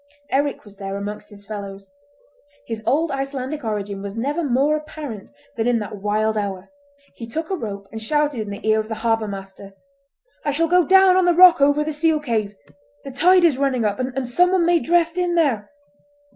Eric was there amongst his fellows. His old Icelandic origin was never more apparent than in that wild hour. He took a rope, and shouted in the ear of the harbour master: "I shall go down on the rock over the seal cave. The tide is running up, and someone may drift in there!"